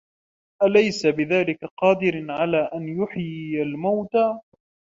أَلَيْسَ ذَلِكَ بِقَادِرٍ عَلَى أَنْ يُحْيِيَ الْمَوْتَى